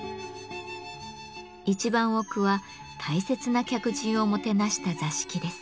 一番奥は大切な客人をもてなした座敷です。